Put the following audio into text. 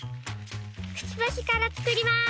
くちばしからつくります。